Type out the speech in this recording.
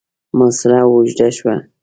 محاصره اوږده شوه.